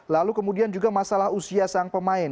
lalu kemudian juga masalah usia sang pemain